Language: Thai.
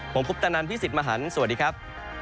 ผมคุปตะนันพี่สิทธิ์มหันฯสวัสดีครับ